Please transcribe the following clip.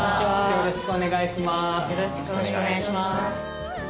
よろしくお願いします。